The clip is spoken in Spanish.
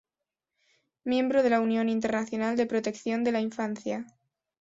Miembro de la Unión Internacional de Protección de la Infancia.